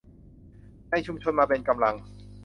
ในชุมชนมาเป็นกำลัง